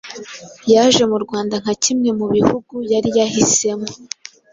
yjae mu Rwanda nka kimwe mu bihugu yari yahisemo